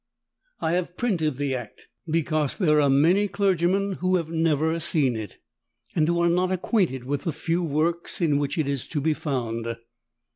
I have printed the Act, because there are many clergymen who have never seen it, and who are not acquainted with the few works in which it is to be found.